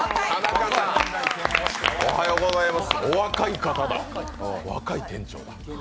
お若い方だ、若い店長だ。